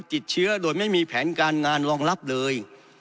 ติดเชื้อโดยไม่มีแผนการงานรองรับเลย